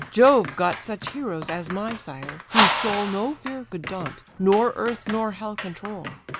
Jove got such heroes as my sire, whose soul No fear could daunt, nor earth nor hell control.